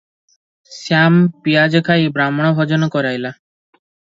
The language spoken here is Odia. ଶ୍ୟାମ ପିଆଜ ଖାଇ ବାହ୍ମଣ ଭୋଜନ କରାଇଲା